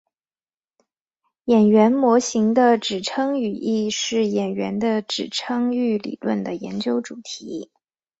演员模型的指称语义是演员的指称域理论的研究主题。